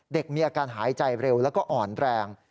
มีอาการหายใจเร็วแล้วก็อ่อนแรง